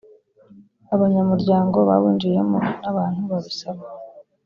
abanyamuryango bawinjiyemo n abantu babisaba